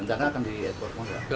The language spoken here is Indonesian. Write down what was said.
rencananya akan di airport ke mana